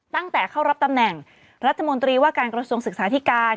ตั้งแต่เข้ารับตำแหน่งรัฐมนตรีว่าการกระทรวงศึกษาธิการ